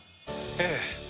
ええ。